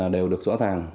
đều được rõ thẳng